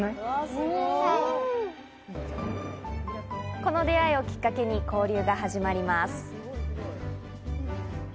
この出会いをきっかけに交流が始まります。